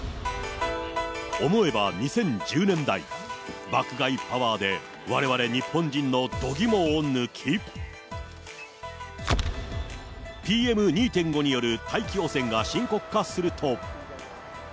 思えば２０１０年代、爆買いパワーでわれわれ日本人の度肝を抜き、ＰＭ２．５による大気汚染が深刻化すると。